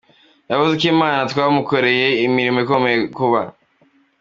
Yavuze ko Imana yamukoreye imirimo ikomeye kuba